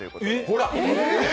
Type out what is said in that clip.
ほら！